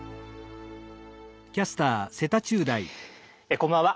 こんばんは。